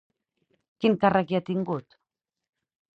Quin càrrec hi ha tingut?